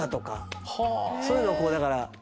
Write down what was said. そういうのをこうだから。